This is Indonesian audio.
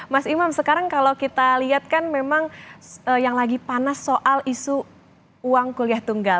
mas imam sekarang kalau kita lihat kan memang yang lagi panas soal isu uang kuliah tunggal